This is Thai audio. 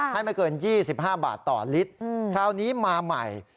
ให้ไม่เกินยี่สิบห้าบาทต่อลิตรอืมคราวนี้มาใหม่